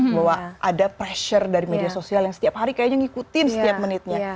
bahwa ada pressure dari media sosial yang setiap hari kayaknya ngikutin setiap menitnya